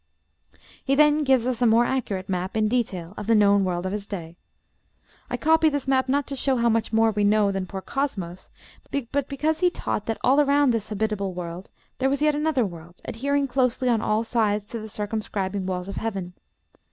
He then gives us a more accurate map, in detail, of the known world of his day. I copy this map, not to show how much more we know than poor Cosmos, but because he taught that all around this habitable world there was yet another world, adhering closely on all sides to the circumscribing walls of heaven.